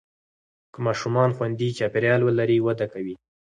که ماشومان خوندي چاپېریال ولري، وده کوي.